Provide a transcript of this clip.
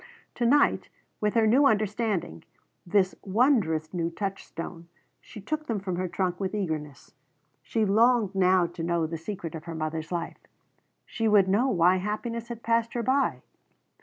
To night, with her new understanding, this wondrous new touchstone, she took them from her trunk with eagerness. She longed now to know the secret of her mother's life; she would know why happiness had passed her by.